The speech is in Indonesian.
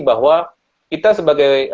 bahwa kita sebagai